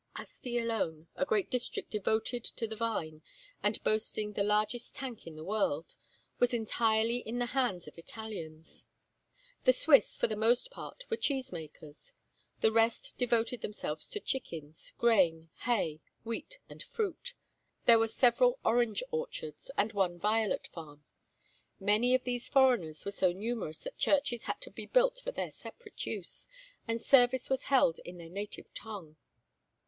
Asti alone, a great district devoted to the vine, and boasting the largest tank in the world, was entirely in the hands of Italians. The Swiss, for the most part, were cheese makers. The rest devoted themselves to chickens, grain, hay, wheat, and fruit. There were several orange orchards and one violet farm. Many of these foreigners were so numerous that churches had been built for their separate use, and service was held in their native tongue.